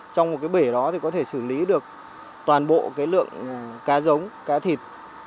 trong một cái bể đó thì có thể xử lý được toàn bộ cái lượng cá giống cá thịt